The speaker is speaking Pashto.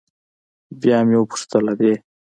بيا مې وپوښتل ادې.